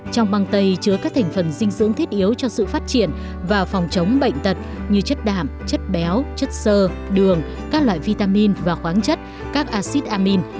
trong mang tây chứa các thành phần dinh dưỡng thiết yếu cho sự phát triển và phòng chống bệnh tật như chất đạm chất béo chất sơ đường các loại vitamin và khoáng chất các acid amin